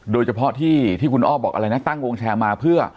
โดยเฉพาะที่คุณอ้อบอกอะไรนะตั้งวงแชร์มาเพื่อ